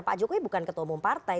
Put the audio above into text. pak jokowi bukan ketua umum partai